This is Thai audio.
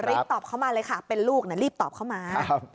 รีบตอบเข้ามาเลยค่ะเป็นลูกนะรีบตอบเข้ามา